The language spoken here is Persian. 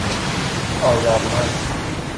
آذرمَن